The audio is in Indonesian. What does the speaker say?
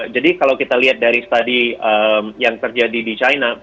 jadi kalau kita lihat dari tadi yang terjadi di china